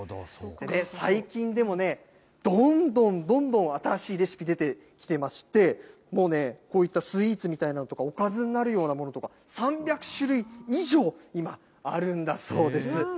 最近でもね、どんどんどんどん新しいレシピ出てきていまして、もうね、こういったスイーツみたいなのとか、おかずになるようなものとか、３００種類以上、今、あるんだそうです。